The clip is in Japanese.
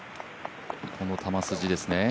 この球筋ですね。